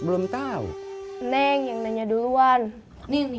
belum tahu neng yang nanya duluan nih